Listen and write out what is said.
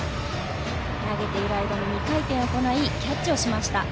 投げている間に２回転行いキャッチしました。